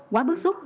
quá bức xúc